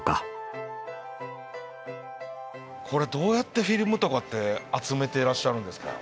どうやってフィルムとかって集めてらっしゃるんですか？